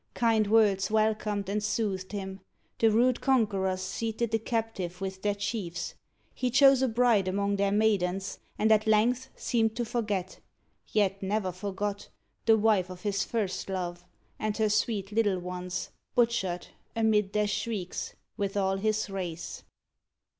Kind words Welcomed and soothed him; the rude conquerors Seated the captive with their chiefs; he chose A bride among their maidens, and at length Seemed to forget, yet ne'er forgot, the wife Of his first love, and her sweet little ones, Butchered, amid their shrieks, with all his race.